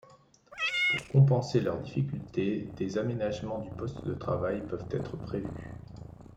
Pour compenser leurs difficultés, des aménagements du poste de travail peuvent être prévus.